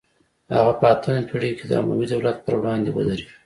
هغه په اتمه پیړۍ کې د اموي دولت پر وړاندې ودرید